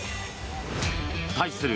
対する